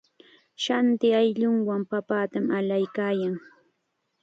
Shanti ayllunwan papatam allaykaayan.